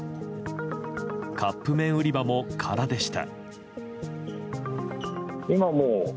カップ麺売り場も空でした。